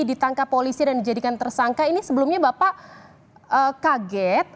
ditangkap polisi dan dijadikan tersangka ini sebelumnya bapak kaget